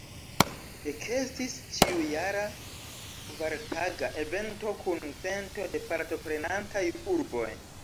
Ekestis ĉiujara, kvartaga evento kun cento da partoprenantaj urboj.